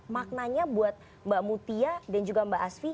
maknanya buat mbak mutia dan juga mbak asfi